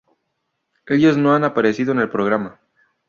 Ellos no han aparecido en el programa.